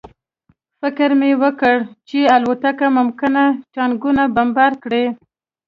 فکر مې وکړ چې الوتکې ممکن ټانکونه بمبار کړي